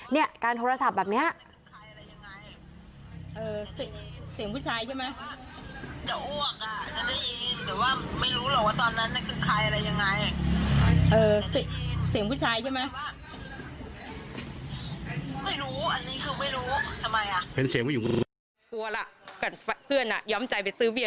เนี่ยการโทรศัพท์แบบนี้